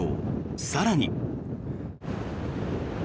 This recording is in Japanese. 更に。